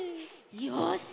よし！